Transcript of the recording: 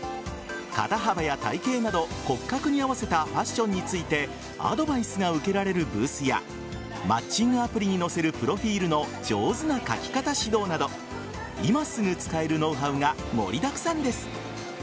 肩幅や体形など、骨格に合わせたファッションについてアドバイスが受けられるブースやマッチングアプリに載せるプロフィールの上手な書き方指導など今すぐ使えるノウハウが盛りだくさんです。